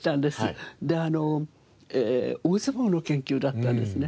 であの大相撲の研究だったんですね。